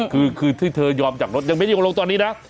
คือที่เธอยอมจากรถยังไม่ได้ลงตอนนี้นะ